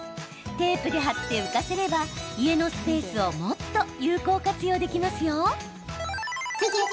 テープで貼って浮かせれば家のスペースをもっと有効活用できますよ。